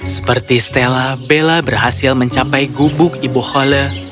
seperti stella bella berhasil mencapai gubuk ibu hole